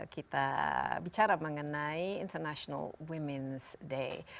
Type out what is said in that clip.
kita bicara mengenai international women's day